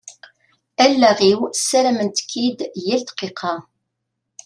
Allaɣ-iw ssarament-k-id yal ddqiqa.